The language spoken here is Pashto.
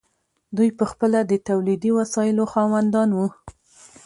دوی پخپله د تولیدي وسایلو خاوندان وو.